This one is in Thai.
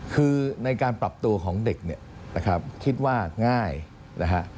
คือในการปรับตัวของเด็กเนี่ยนะครับคิดว่าง่ายนะฮะ